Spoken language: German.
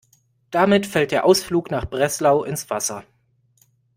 Damit fällt der Ausflug nach Breslau ins Wasser.